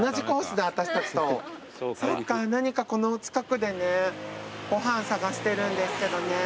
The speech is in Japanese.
何かこの近くでねご飯探してるんですけどね。